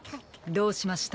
どうしました？